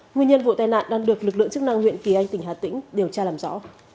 nguyên nhân vụ tai nạn đang được lực lượng chức năng huyện kỳ anh tỉnh hà tĩnh điều tra làm rõ